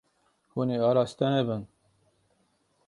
Hûn ê araste nebin.